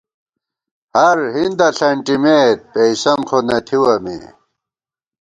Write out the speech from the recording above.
ہر ہِندہ ݪَنٹِمېت ، پېئیسَن خو نہ تھِوَہ مے